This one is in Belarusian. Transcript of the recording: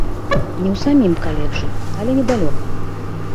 Не ў самім каледжы, але недалёка.